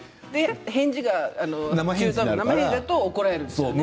返事が、なま返事だと怒られるんですよね。